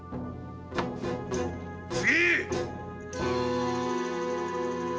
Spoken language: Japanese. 次！